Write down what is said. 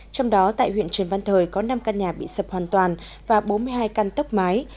trong đó tại huyện trần văn thời có năm căn nhà bị sập hoàn toàn và bốn mươi hai căn tốc mái